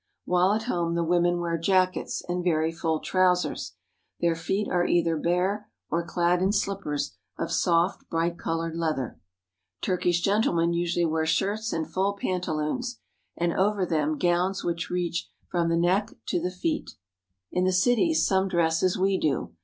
While at home the women wear jackets, and very full trousers. Their feet are either bare, or clad in slippers of soft bright colored leather. Turkish gentlemen usually wear shirts and full panta loons, and over them gowns which reach from the neck to Turkish Woman. 364 TRAVELS AMONG THE TURKS the feet. In the cities some dress as we do.